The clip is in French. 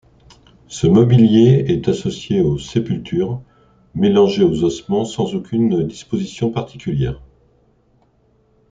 Ce mobilier est associé aux sépultures, mélangé aux ossements sans aucune disposition particulière.